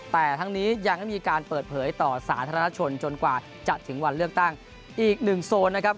แต่ทั้งนี้ยังไม่มีการเปิดเผยต่อสาธารณชนจนกว่าจะถึงวันเลือกตั้งอีกหนึ่งโซนนะครับ